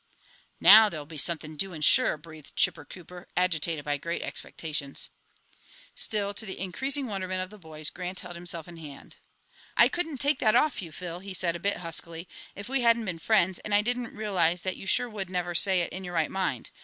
"Now there'll be something doing, sure!" breathed Chipper Cooper, agitated by great expectations. Still, to the increasing wonderment of the boys, Grant held himself in hand. "I couldn't take that off you, Phil," he said, a bit huskily, "if we hadn't been friends and I didn't realize that you sure would never say it in your right mind.